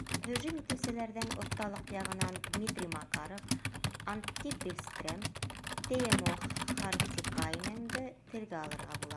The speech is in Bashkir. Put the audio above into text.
Һөжүм итеүселәрҙән оҫталыҡ яғынан Дмитрий Макаров, Антти Пильстрем, Теему Хартикайненды телгә алырға була.